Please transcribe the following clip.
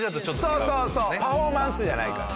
そうそうそうパフォーマンスじゃないから。